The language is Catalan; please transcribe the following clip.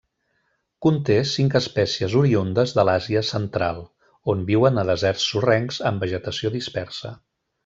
Conté cinc espècies oriündes de l'Àsia Central, on viuen a deserts sorrencs amb vegetació dispersa.